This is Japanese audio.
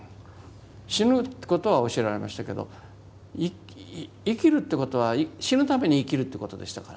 死ぬってことは教えられましたけど生きるってことは死ぬために生きるってことでしたから。